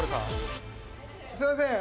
すみません